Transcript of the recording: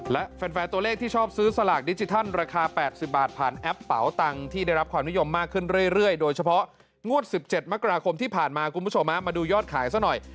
และแฟนตัวเลขที่ชอบซื้อสลากดิจิทัลราคา๘๐บาทผ่านแอปเป๋าตังค์ที่ได้รับความนิยมมากขึ้นเรื่อยโดยเฉพาะงวด๑๗มกราคมที่ผ่านมาคุณผู้ชมมาดูยอดขายซะหน่อย